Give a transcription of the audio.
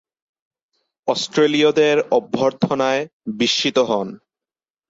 অস্ট্রেলীয়দের অভ্যর্থনায় বিস্মিত হন।